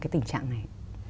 cái tình trạng này